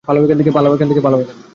পালাও এখান থেকে!